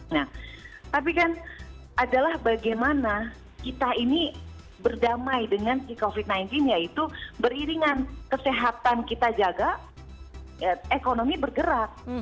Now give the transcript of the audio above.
nah tapi kan adalah bagaimana kita ini berdamai dengan covid sembilan belas yaitu beriringan kesehatan kita jaga ekonomi bergerak